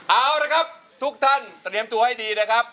เอาละครับทุกท่านเตรียมตัวให้ดีนะครับ